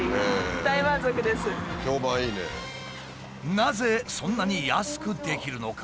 なぜそんなに安くできるのか？